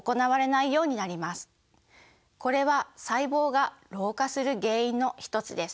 これは細胞が老化する原因の一つです。